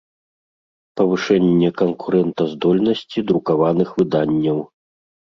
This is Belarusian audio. Павышэнне канкурэнтаздольнасцi друкаваных выданняў.